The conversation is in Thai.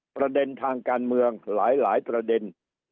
ประเด็นทางการเมืองหลายประเด็น